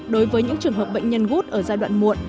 đối với những trường hợp bệnh nhân gút ở giai đoạn muộn